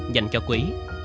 dành cho quý